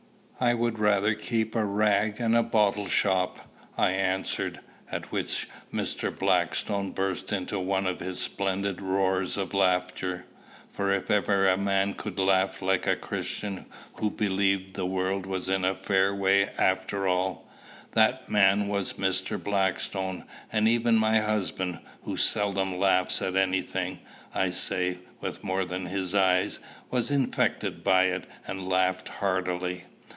"I would rather keep a rag and bottle shop," I answered: at which Mr. Blackstone burst into one of his splendid roars of laughter; for if ever a man could laugh like a Christian who believed the world was in a fair way after all, that man was Mr. Blackstone; and even my husband, who seldom laughs at any thing I say with more than his eyes, was infected by it, and laughed heartily.